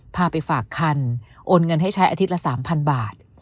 พาไปฝากคันโอนเงินให้ใช้อาทิตย์ละ๓๐๐บาท